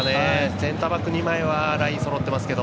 センターバック２枚はラインそろってますけど。